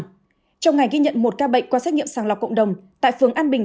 trong ngày ghi nhận một ca bệnh qua xét nghiệm sàng lọc cộng đồng tại phường an bình